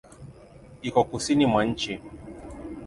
Iko kusini mwa nchi.